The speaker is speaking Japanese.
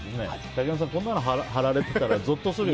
竹山さん、こんなの貼られてたらぞっとする。